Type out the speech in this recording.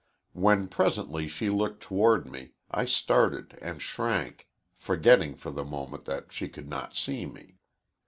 When presently she looked toward me, I started and shrank, forgetting for the moment that she could not see me.